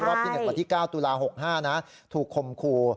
รอบที่๑วันที่๙ตุลาห์๖๕นะถูกคมขู